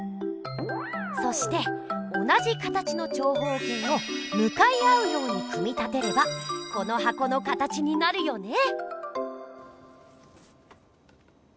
そして同じ形の長方形をむかい合うように組み立てればこのはこの形になるよね！